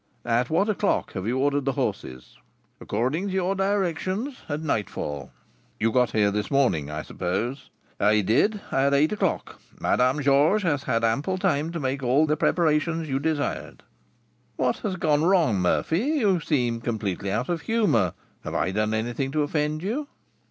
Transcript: "At what o'clock have you ordered the horses?" "According to your directions, at nightfall." "You got here this morning, I suppose?" "I did, at eight o'clock. Madame Georges has had ample time to make all the preparations you desired." "What has gone wrong, Murphy? You seem completely out of humour. Have I done anything to offend you?"